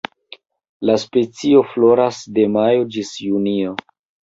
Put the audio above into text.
La specio floras de majo ĝis junio.